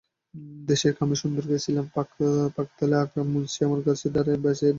দেশের কামে সুন্দরবন গেছিলাম, ফাঁকতালে আকরাম মুন্সি আমার গাছডারে বেইচা দিছে।